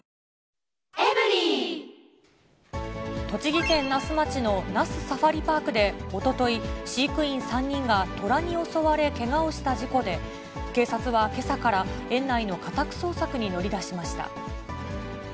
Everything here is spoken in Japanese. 栃木県那須町の那須サファリパークでおととい、飼育員３人がトラに襲われ、けがをした事故で、警察はけさから園内の家宅捜索に乗り出しました。